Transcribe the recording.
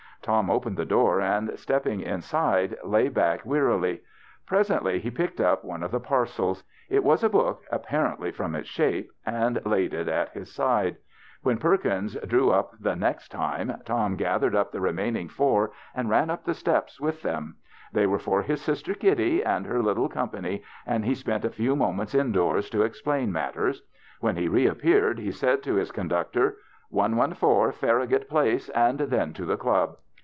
Tom opened the door and stepping inside, lay back wearily. Present ly he picked up one of the parcels — it was a book apparently, from its shape — and laid it at his side. When Perkins drew up the next THE BACHBLOIi'S GHRI8TMAS 19 time, Tom gathered up tlie remaining four and ran up the steps with them. They were for his sister Kitty and her little company, and he spent a few moments indoors to ex plain matters. When he reappeared he said to his conductor, "114 Farragut Place, and then to the Club."